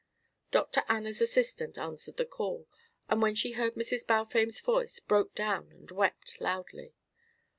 Dr. Anna's assistant answered the call, and when she heard Mrs. Balfame's voice broke down and wept loudly.